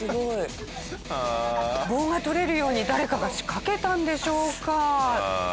棒が取れるように誰かが仕掛けたんでしょうか？